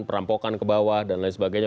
perampokan ke bawah dan lain sebagainya